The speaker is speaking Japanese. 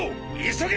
急げ！！